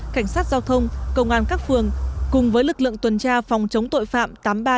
cảnh sát giao thông công an các phường cùng với lực lượng tuần tra phòng chống tội phạm tám nghìn ba trăm chín mươi bốn